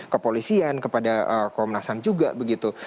kepolisian kepada komnas ham juga begitu